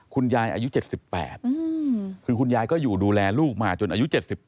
อายุ๗๘คือคุณยายก็อยู่ดูแลลูกมาจนอายุ๗๘